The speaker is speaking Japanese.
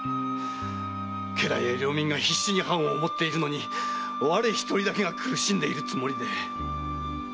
家来や領民が必死に藩を思っているのに我一人だけが苦しんでいるつもりで。